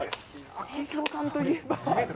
秋広さんといえば。